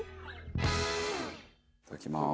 いただきます。